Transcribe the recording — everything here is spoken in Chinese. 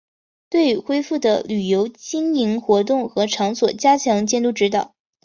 对已恢复的旅游经营活动和场所加强监督指导